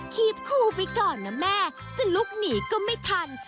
ขีบคู่ไปก่อนนะแม่จะลุกหนีก็ไม่ทัน